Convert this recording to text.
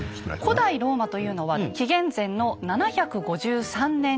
古代ローマというのは紀元前の７５３年に建国をしました。